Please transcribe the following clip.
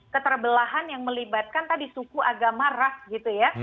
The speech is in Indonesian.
keterbelahan yang melibatkan tadi suku agama ras gitu ya